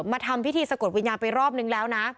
มาทำพิธีสะกดวิญญาณไปรอบนึงแล้วนะ